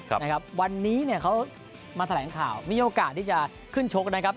ครับนะครับวันนี้เนี่ยเขามาแถลงข่าวมีโอกาสที่จะขึ้นชกนะครับ